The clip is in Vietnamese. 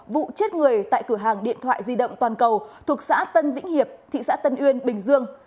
vụ chết người tại cửa hàng điện thoại di động toàn cầu thuộc xã tân vĩnh hiệp thị xã tân uyên bình dương